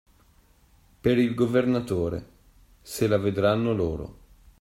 Per il Governatore, se la vedranno loro.